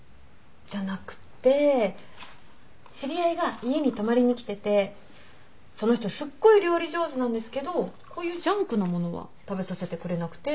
じゃなくて知り合いが家に泊まりに来ててその人すっごい料理上手なんですけどこういうジャンクな物は食べさせてくれなくて。